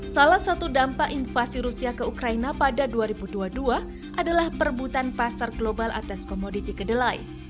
salah satu dampak invasi rusia ke ukraina pada dua ribu dua puluh dua adalah perebutan pasar global atas komoditi kedelai